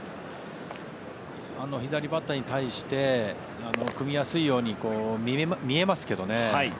左バッターに対して組みやすいように見えますけどね。